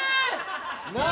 何！？